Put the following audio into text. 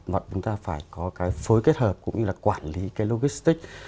và chúng ta phải có cái phối kết hợp cũng như là quản lý cái logistic